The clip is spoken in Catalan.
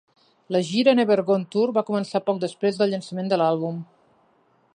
La gira Never Gone Tour va començar poc després del llançament de l'àlbum.